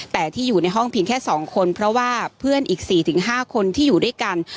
แต่ที่อยู่ในห้องเพียงแค่๒คนเพราะว่าเพื่อนอีก๔๕คนที่อยู่ด้วยกัน